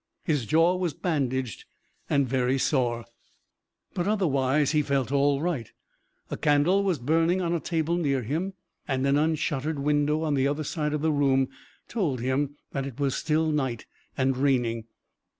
His jaw was bandaged and very sore, but otherwise he felt all right. A candle was burning on a table near him and an unshuttered window on the other side of the room told him that it was still night and raining.